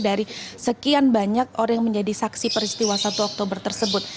dari sekian banyak orang yang menjadi saksi peristiwa satu oktober tersebut